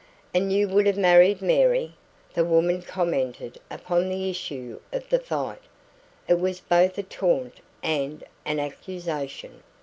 "And you would have married MARY!" the woman commented upon the issue of the fight. It was both a taunt and an accusation.